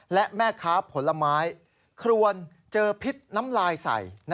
และแม่ค้าผลไม้ครวนเจอพิษน้ำลายใส่